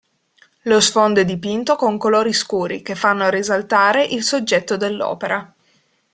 Lo sfondo è dipinto con colori scuri che fanno risaltare il soggetto dell'opera.